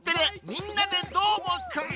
「みんなＤＥどーもくん！」。